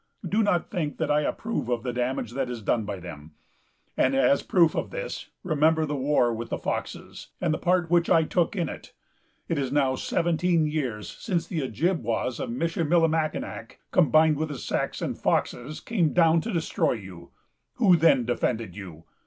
Do not think that I approve of the damage that is done by them; and, as a proof of this, remember the war with the Foxes, and the part which I took in it. It is now seventeen years since the Ojibwas of Michillimackinac, combined with the Sacs and Foxes, came down to destroy you. Who then defended you?